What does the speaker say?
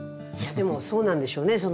でもそうなんでしょうね。